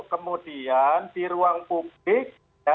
kemudian di ruang publik